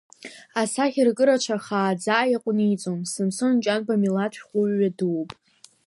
Асахьаркыра цәа хааӡа иаҟәниҵон Самсон Ҷанба милаҭ шәҟәыҩҩы дууп.